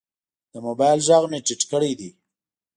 د موبایل غږ مې ټیټ کړی دی.